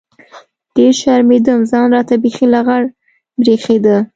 ډېر شرمېدم ځان راته بيخي لغړ بريښېده.